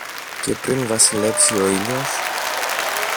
και πριν βασιλέψει ο ήλιος